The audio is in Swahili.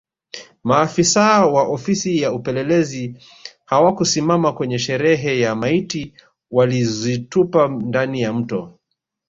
Maafisa wa Ofisi ya Upelelezi hawakusimama kwenye sherehe na maiti walizitupa ndani ya Mto